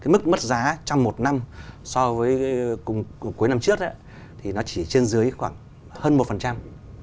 mức mất giá trong một năm so với cuối năm trước thì nó chỉ trên dưới khoảng hơn một phần trăm